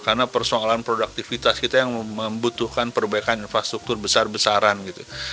karena persoalan produktivitas kita yang membutuhkan perbaikan infrastruktur besar besaran gitu